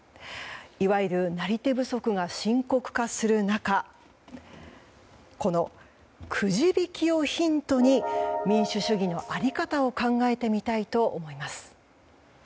いわゆる、なり手不足が深刻化する中このくじ引きをヒントに民主主義の在り方を考えてみたいと思います。